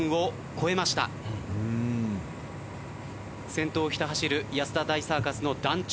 先頭をひた走る安田大サーカスの団長。